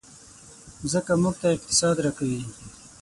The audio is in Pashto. مځکه موږ ته اقتصاد راکوي.